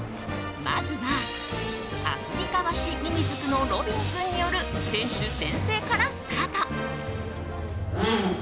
まずは、アフリカワシミミズクのロビン君による選手宣誓からスタート！